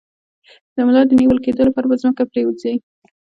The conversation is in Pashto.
د ملا د نیول کیدو لپاره په ځمکه پریوځئ